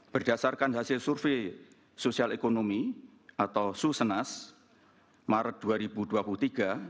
berdasarkan hasil survei sosial ekonomi atau susenas maret dua ribu dua puluh tiga